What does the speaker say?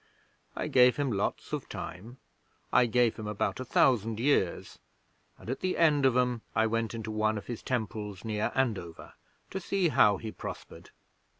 I gave him lots of time I gave him about a thousand years and at the end of 'em I went into one of his temples near Andover to see how he prospered.